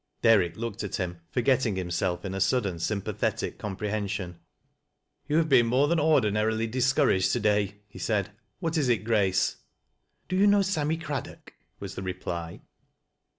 Derrick looked at him, forgetting himself in a sudden sympathetic comprehension. " ^ou have been more than ordinarily discouraged to day," he said. " What is it, G raee." "Do you know Sammy Craddock," was the reply.